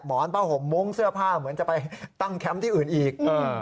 หมอนผ้าห่มมุ้งเสื้อผ้าเหมือนจะไปตั้งแคมป์ที่อื่นอีก